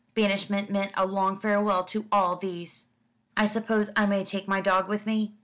Banishment meant a long farewell to all these. "I suppose I may take my dog with me?"